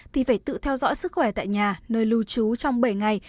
thì phải tự theo dõi sức khỏe tại nhà nơi lưu trú trong bảy ngày